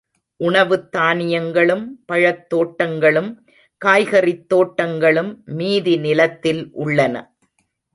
உணவுத் தானியங்களும், பழத்தோட்டங்களும், காய்கறித் தோட்டங்களும் மீதி நிலத்தில் உள்ளன.